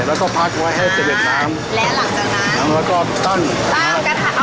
แล้วก็พักไว้ให้เจ็บเหน็ดน้ำและหลังจากนั้นแล้วก็ตั้งตั้งกระทะอ๋อ